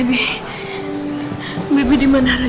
mbak bikinin bubur buat mona ya